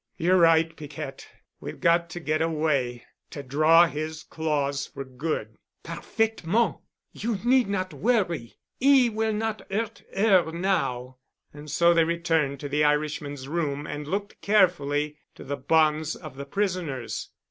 "You're right, Piquette. We've got to get away—to draw his claws for good." "Parfaitement! You need not worry. 'E will not 'urt 'er now." And so they returned to the Irishman's room and looked carefully to the bonds of the prisoners.